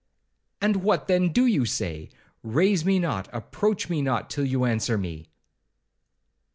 'And what, then, do you say?—raise me not, approach me not, till you answer me.'